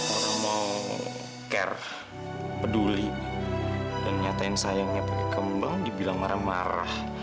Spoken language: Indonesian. orang mau care peduli dan nyatain sayangnya pakai kembang dibilang marah marah